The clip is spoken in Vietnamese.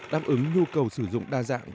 đáp ứng nhu cầu sử dụng đa dạng